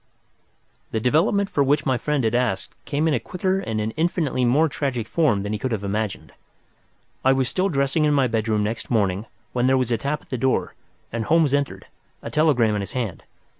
The development for which my friend had asked came in a quicker and an infinitely more tragic form than he could have imagined. I was still dressing in my bedroom next morning, when there was a tap at the door and Holmes entered, a telegram in his hand.